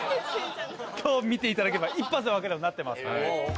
今日見ていただければ一発でわかるようになってますので。